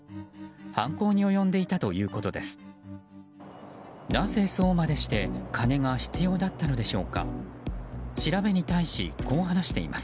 犯行に及んでいたということです。